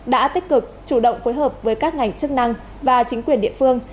đã tích cực chủ động phối hợp với các ngành chức năng và chính quyền địa phương